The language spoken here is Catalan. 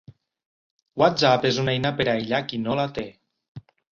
WhatsApp és una eina per aïllar qui no la té.